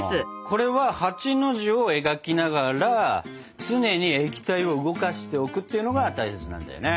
これは８の字を描きながら常に液体を動かしておくっていうのが大切なんだよね。